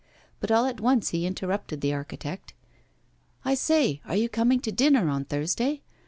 But all at once he interrupted the architect. 'I say, are you coming to dinner on Thursday?